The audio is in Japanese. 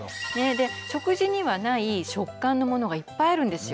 食事にはない食感のものがいっぱいあるんですよ。